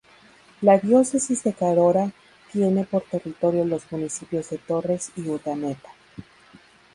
La Diócesis de Carora tiene por territorio los Municipios de Torres y Urdaneta.